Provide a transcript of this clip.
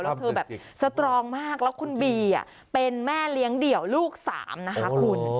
แล้วเธอแบบสตรองมากแล้วคุณบีเป็นแม่เลี้ยงเดี่ยวลูกสามนะคะคุณ